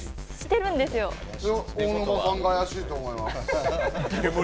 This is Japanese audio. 大沼さんが怪しいと思います。